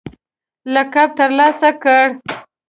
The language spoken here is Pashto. لقب ترلاسه کړ